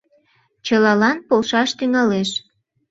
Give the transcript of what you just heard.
Чылалан полшаш тӱҥалеш.